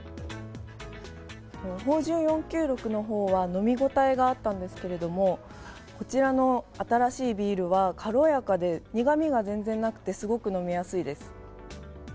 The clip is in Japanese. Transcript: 豊潤４９６の方は飲みごたえがあったんですけれどもこちらの新しいビールは軽やかで苦味が全然なくてすごく飲みやすいです。